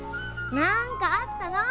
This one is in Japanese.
なんかあったの？